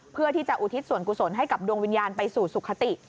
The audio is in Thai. เพื่อที่จะอุทิศส่วนกุศลให้กับดวงวิญญาณไปสู่สุขติ